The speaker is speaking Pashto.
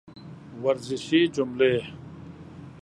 ورزشي جملې